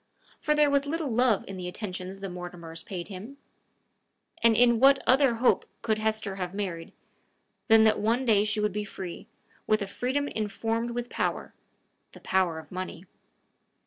For there was little love in the attentions the Mortimers paid him; and in what other hope could Hesper have married, than that one day she would be free, with a freedom informed with power, the power of money!